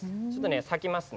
割きますね。